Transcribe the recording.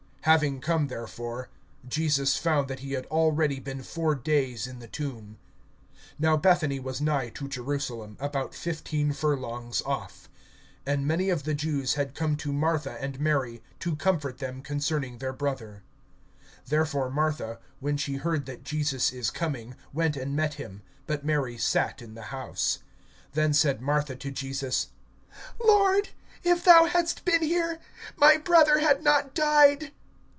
(17)Having come therefore, Jesus found that he had already been four days in the tomb. (18)Now Bethany was nigh to Jerusalem, about fifteen furlongs off. (19)And many of the Jews had come to Martha and Mary, to comfort them concerning their brother. (20)Therefore Martha, when she heard that Jesus is coming, went and met him; but Mary sat in the house. (21)Then said Martha to Jesus: Lord, if thou hadst been here, my brother had not died.